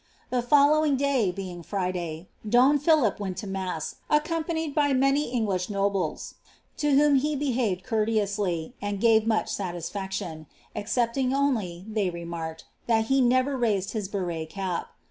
The following day, being Friday, don Philip went to mass, a«cotnp»> Died by many English nobles, to whom he behaved courteously, and gave ranch satisfaction ; excepting only, they remarked, that he nevn rsised his berret cap.